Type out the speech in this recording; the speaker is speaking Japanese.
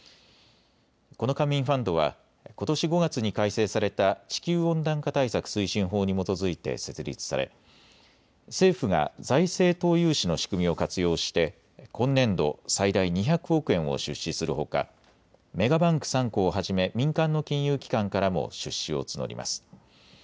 この官民ファンドはことし５月に改正された地球温暖化対策推進法に基づいて設立され政府が財政投融資の仕組みを活用して今年度、最大２００億円を出資するほか、メガバンク３行をはじめ民間の金融機関からも出資を募ります。